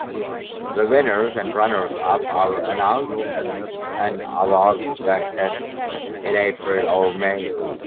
The winners and runners-up are announced at an awards banquet in April or May.